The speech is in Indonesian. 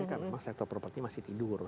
karena memang sektor properti masih tidur